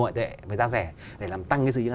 ngoại tệ với giá rẻ để làm tăng cái dư dưỡng